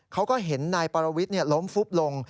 เขาก็เห็นนายปรวิทย์ล้มฟุบลง